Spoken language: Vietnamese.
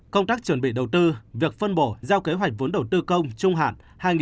công tác chuẩn bị đầu tư việc phân bổ giao kế hoạch vốn đầu tư công trung hạn hai nghìn hai mươi một hai nghìn hai mươi